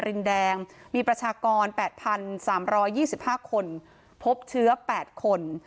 ชุมชนแฟลต๔๕๖มีประชากร๑๗๓๖คนพบเชื้อ๒คน